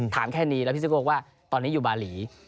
ถามแค่นี้แล้วพี่ซิโก้ว่าตอนนี้อยู่บาหลี